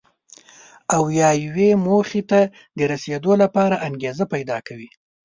او یا یوې موخې ته د رسېدو لپاره انګېزه پیدا کوي.